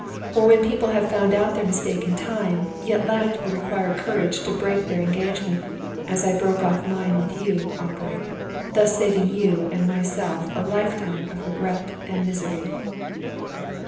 Or when people have found out their mistake in time, yet lacked the required courage to break their engagement, as I broke off mine with you, Aubrey; thus saving you and myself a lifetime of regret and misery.